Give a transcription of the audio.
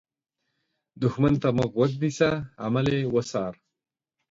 دښمن ته مه غوږ نیسه، عمل یې وڅار